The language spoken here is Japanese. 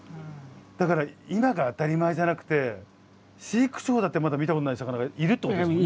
だから今が当たり前じゃなくて飼育長だってまだ見たことない魚がいるってことですもんね。